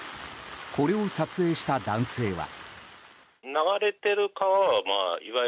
これを撮影した男性は。